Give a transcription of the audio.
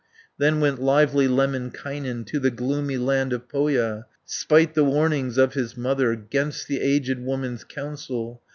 Then went lively Lemminkainen, To the gloomy land of Pohja, 'Spite the warnings of his mother, 'Gainst the aged woman's counsel.